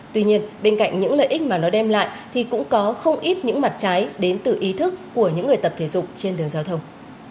tuy nhiên bên cạnh những lợi ích mà nó đem lại thì cũng có không ít những mặt trái đến từ ý thức của những người tập thể dục trên đường giao thông